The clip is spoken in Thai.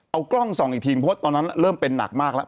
เอากล้องส่องอีกทีเพราะตอนนั้นเริ่มเป็นหนักมากแล้ว